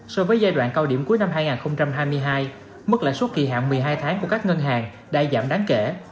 so với giai đoạn cao điểm cuối năm hai nghìn hai mươi hai mức lãi suất kỳ hạn một mươi hai tháng của các ngân hàng đã giảm đáng kể